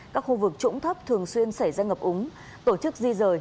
các khu vực trũng thấp thường xuyên xảy ra ngập úng tổ chức di rời